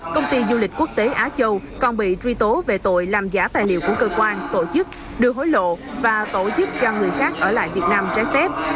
công ty du lịch quốc tế á châu còn bị truy tố về tội làm giả tài liệu của cơ quan tổ chức đưa hối lộ và tổ chức cho người khác ở lại việt nam trái phép